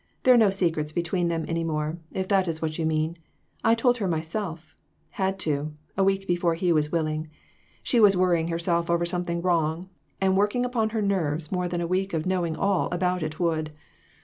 There are no secrets between them any more, if that is what you mean. I told her myself had to, a week before he was willing. She was worrying herself over something wrong, and working upon her nerves more than a week of knowing all about it would.